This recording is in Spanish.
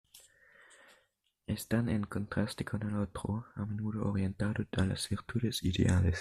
Están en contraste con el otro, a menudo orientado a las virtudes ideales.